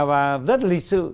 và rất lịch sự